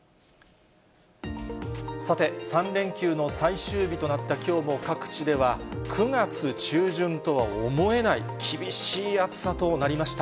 さて、３連休の最終日となったきょうも各地では、９月中旬とは思えない厳しい暑さとなりました。